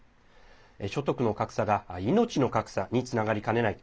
所得の格差が命の格差につながりかねない。